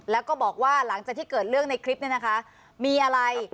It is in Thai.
แล้วก็บอกว่าหลังจากที่เกิดเรื่องในคลิปนี้นะคะมีอะไร